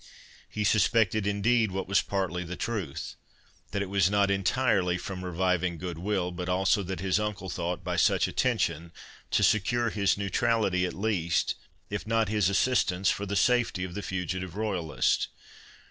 He suspected, indeed, what was partly the truth, that it was not entirely from reviving good will, but also, that his uncle thought, by such attention, to secure his neutrality at least, if not his assistance, for the safety of the fugitive royalist.